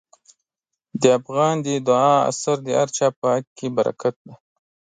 د افغان د دعا اثر د هر چا په حق کې برکت دی.